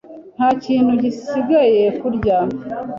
Nta kintu gisigaye kurya.